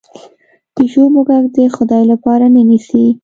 پیشو موږک د خدای لپاره نه نیسي.